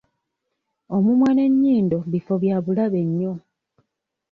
Omumwa n'ennyindo bifo bya bulabe nnyo.